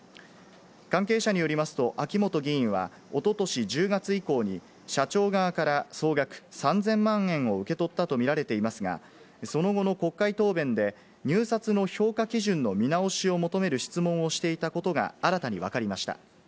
関係者によりますと、秋本議員は、おととし１０月以降に社長側から総額３０００万円を受け取ったとみられていますが、その後の国会答弁で、入札の評価基準の見直しを求める質問をしていたことが新たにわかりました。